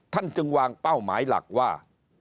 จึงวางเป้าหมายหลักว่า